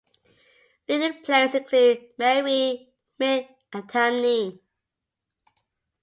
Leading players include Mairead McAtamney.